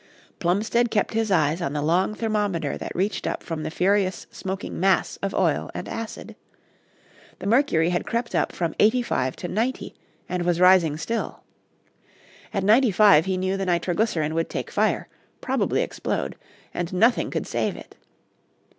Plumstead kept his eyes on the long thermometer that reached up from the furious smoking mass of oil and acid. The mercury had crept up from eighty five to ninety, and was rising still. At ninety five he knew the nitroglycerin would take fire, probably explode, and nothing could save it.